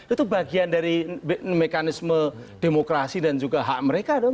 itu bagian dari mekanisme demokrasi dan juga hak mereka dong